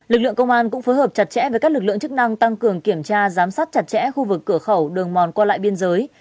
lực lượng công an cũng phối hợp chặt chẽ với các lực lượng chức năng tăng cường kiểm tra giám sát chặt chẽ khu vực cửa khẩu đường mòn qua lại biên giới